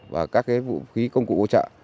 và các cái vụ khí công cụ bố trợ